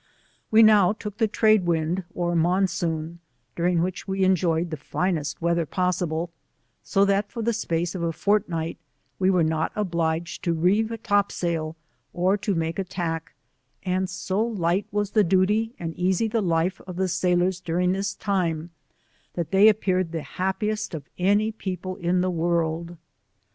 We now took the trade wind or monsoon, during which we enjoyed the finest wea ther possible, 80 that* for the space of a fortnight we were not obliged to reeve a topsail or to make a tack, and so light was the duty and easy the life of the sailors during this time, that they appear ed the happiest of any people in the world.